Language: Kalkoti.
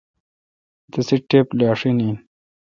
تسے ٹپ لاشین این۔